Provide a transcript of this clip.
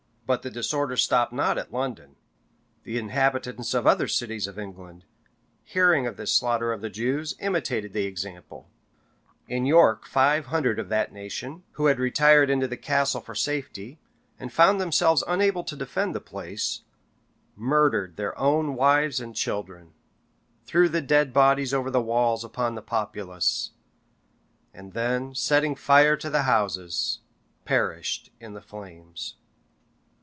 But the disorder stopped not at London. The inhabitants of the other cities of England, hearing of this slaughter of the Jews, imitated the example: in York five hundred of that nation, who had retired into the castle for safety, and found themselves unable to defend the place, murdered their own wives and children, threw the dead bodies over the walls upon the populace, and then setting fire to the houses, perished in the flames.